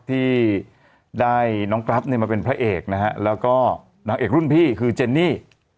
ที่ได้น้องกรัฟเนี่ยมาเป็นพระเอกนะฮะแล้วก็นางเอกรุ่นพี่คือเจนนี่